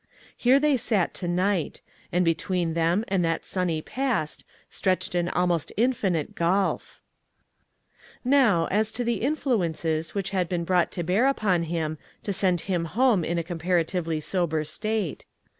Here they sat to night, and between them and that sunny past stretched an almost infinite gulf ! Now, as to the influences which had SILKEN COILS. 211 been brought to bear upon him to send him home in a comparatively sober state.